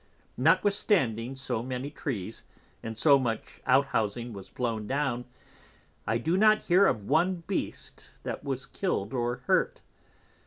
Notwithstanding so many Trees, and so much Out Housing was blown down, I do not hear of one Beast that was killed or hurt.